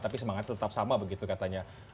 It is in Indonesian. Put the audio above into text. tapi semangatnya tetap sama begitu katanya